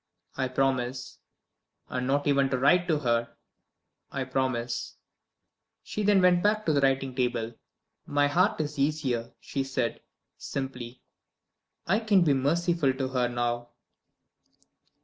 "I promise." "And not even to write to her." "I promise." She went back to the writing table. "My heart is easier," she said, simply. "I can be merciful to her now."